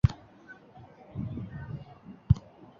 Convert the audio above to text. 鳞轴短肠蕨为蹄盖蕨科短肠蕨属下的一个种。